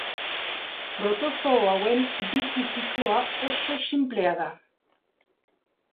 Protozoo hauen bizi-zikloa oso sinplea da.